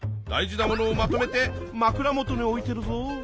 大事なものをまとめてまくら元に置いてるぞ。